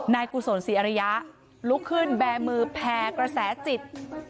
กุศลศรีอริยะลุกขึ้นแบร์มือแผ่กระแสจิต